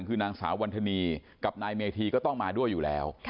คือนางสาววันธนีกับนายเมธีก็ต้องมาด้วยอยู่แล้ว